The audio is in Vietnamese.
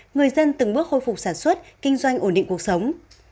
người dân từng bước khôi phục sản xuất kinh doanh ổn định cuộc sống